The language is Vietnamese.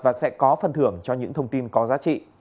và sẽ có phần thưởng cho những thông tin có giá trị